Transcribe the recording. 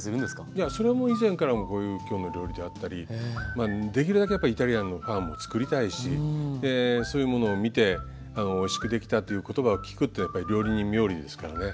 いやそれはもう以前からこういう「きょうの料理」であったりできるだけやっぱりイタリアンのファンも作りたいしそういうものを見ておいしくできたという言葉を聞くってやっぱり料理人冥利ですからね。